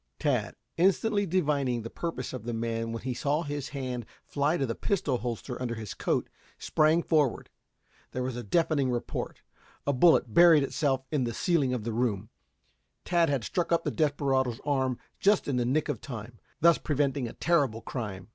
Tad, instantly divining the purpose of the man when he saw his hand fly to the pistol holster under his coat, sprang forward. There was a deafening report. A bullet buried itself in the ceiling of the room. Tad had struck up the desperado's arm just in the nick of time, thus preventing a terrible crime.